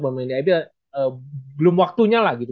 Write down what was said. belum waktunya lah gitu